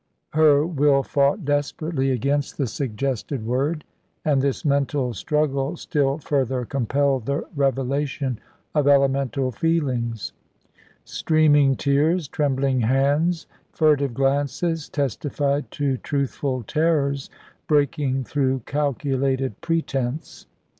Her will fought desperately against the suggested word, and this mental struggle still further compelled the revelation of elemental feelings. Streaming tears, trembling hands, furtive glances, testified to truthful terrors, breaking through calculated pretence.